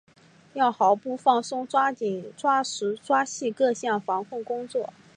要毫不放松抓紧抓实抓细各项防控工作